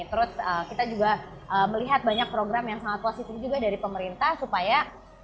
terus kita juga melihat banyak program yang sangat positif juga dari pemerintah supaya